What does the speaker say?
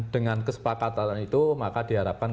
dengan kesepakatan itu maka diharapkan